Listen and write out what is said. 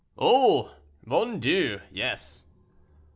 "Oh! mon Dieu, yes."